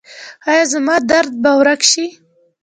ایا زما درد به ورک شي؟